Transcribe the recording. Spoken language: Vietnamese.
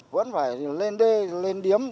vẫn phải lên đê lên điếm